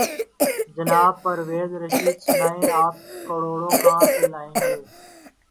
جناب پرویز رشید! سنائیں !آپ کروڑوں کہاں سے لائیں گے؟